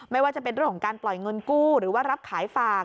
ไม่ว่าจะเป็นเรื่องของการปล่อยเงินกู้หรือว่ารับขายฝาก